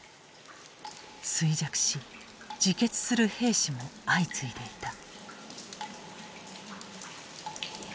衰弱し自決する兵士も相次いでいた。